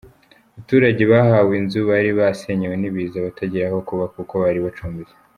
Abaturage bahawe inzu, bari barasenyewe n’ibiza batagira aho kuba kuko bari bacumbitse.